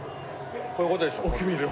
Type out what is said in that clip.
こういうことでしょ？